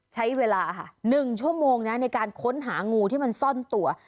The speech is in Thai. ใช้เวลาค่ะ๑ชั่วโมงนะในการค้นหางูที่มันซ่อนตัว